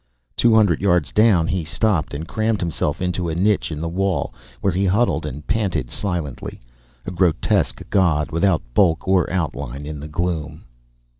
Two hundred yards down he stopped and crammed himself into a niche in the wall where he huddled and panted silently, a grotesque god without bulk or outline in the gloom.